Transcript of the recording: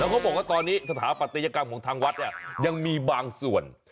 เขาบอกว่าตอนนี้สถาปัตยกรรมของทางวัดเนี่ยยังมีบางส่วน